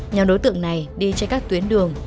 nhóm đối tượng này đi trên các tuyến đường